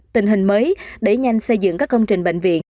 tình hình mới đẩy nhanh xây dựng các công trình bệnh viện